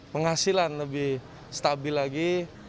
penghasilan lebih stabil lagi